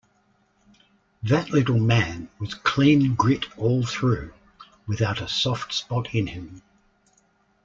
That little man was clean grit all through, without a soft spot in him.